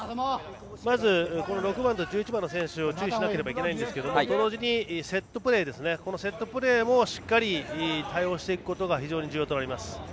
まず６番と１１番の選手に注意しなければいけないんですけど同時にセットプレーもしっかり対応していくことが非常に重要となります。